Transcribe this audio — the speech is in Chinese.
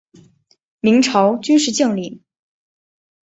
明朝军事将领。